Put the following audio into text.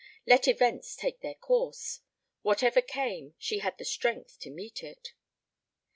Let events take their course. Whatever came, she had the strength to meet it.